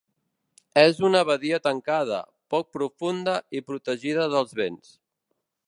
És una badia tancada, poc profunda i protegida dels vents.